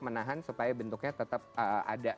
menahan supaya bentuknya tetap ada